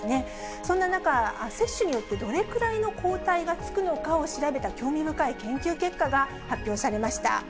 そんな中、接種によってどれくらいの抗体がつくのかを調べた興味深い研究結果が発表されました。